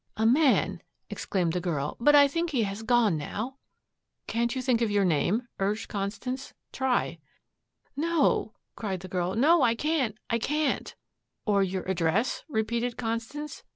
"A man," exclaimed the girl, "but I think he has gone now." "Can't you think of your name!" urged Constance. "Try." "No," cried the girl, "no, I can't, I can't." "Or your address?" repeated Constance.